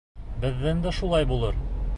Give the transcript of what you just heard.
Беҙҙән дә шулай булыр.